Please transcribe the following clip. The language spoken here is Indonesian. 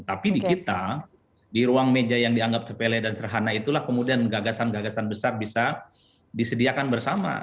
tapi di kita di ruang meja yang dianggap sepele dan serhana itulah kemudian gagasan gagasan besar bisa disediakan bersama